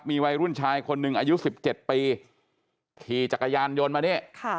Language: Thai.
มีวัยรุ่นชายคนหนึ่งอายุสิบเจ็ดปีที่จักรยานยนต์มาเนี้ยค่ะ